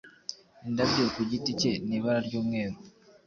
indabyo ku giti cye ni ibara ryumweru